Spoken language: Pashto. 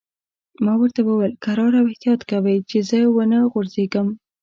ما ورته وویل: کرار او احتیاط کوئ، چې زه و نه غورځېږم.